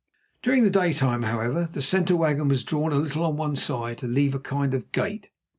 During the daytime, however, the centre wagon was drawn a little on one side to leave a kind of gate.